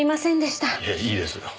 いやいいですよ。